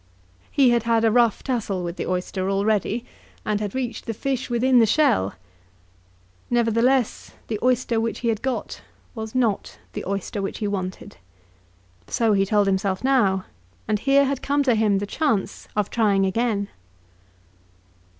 He had had a rough tussle with the oyster already, and had reached the fish within the shell. Nevertheless, the oyster which he had got was not the oyster which he wanted. So he told himself now, and here had come to him the chance of trying again.